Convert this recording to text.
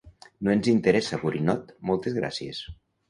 No ens interessa, borinot, moltes gràcies!